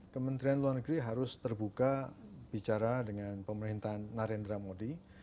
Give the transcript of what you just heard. kementerian luar negeri harus terbuka bicara dengan pemerintahan narendra modi